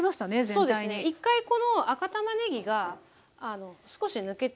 そうですね１回この赤たまねぎが少し抜けていくんです。